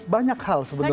banyak hal sebenernya